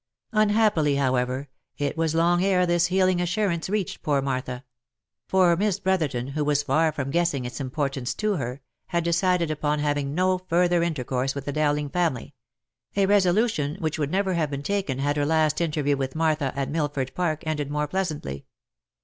Unhappily, however, it was longere this healing assurance reached poor Martha; for Miss Brotherton, who was far from guessing its im portance to her, had decided upon having no further intercourse with the Dowling family : a resolution which would never have been taken had her last interview with Martha at Milford Park ended more plea santly.